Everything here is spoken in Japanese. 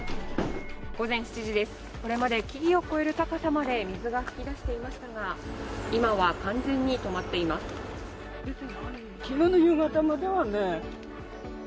午前７時です、これまで木々を超える高さまで水が噴き出していましたが今は、完全に止まっています。